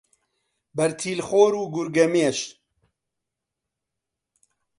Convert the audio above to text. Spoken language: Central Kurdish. بەرتیل خۆر و گورگەمێش